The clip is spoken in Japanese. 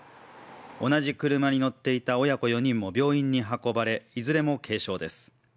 同じ車に乗っていた親子４人も病院に運ばれ、いずれも軽傷です。